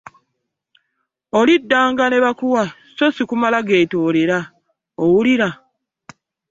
Olindanga ne bakuwa so si kumala geetoolera owulira?